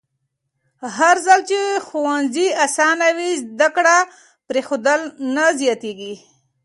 هرځل چې ښوونځي اسانه وي، زده کړه پرېښودل نه زیاتېږي.